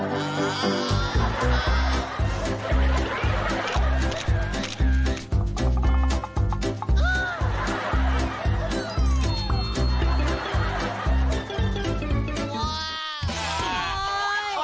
ว้าว